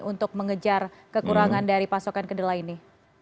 untuk mengejar kekurangan dari pasokan kedelai ini